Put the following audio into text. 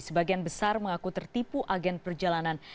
sebagian besar mengaku tertipu agen perjalanan